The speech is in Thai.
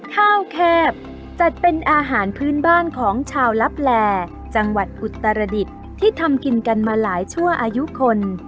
ข้าวแคบจัดเป็นอาหารพื้นบ้านของชาวลับแลจังหวัดอุตรดิษฐ์ที่ทำกินกันมาหลายชั่วอายุคน